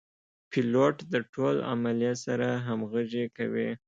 پیلوټ د ټول عملې سره همغږي کوي.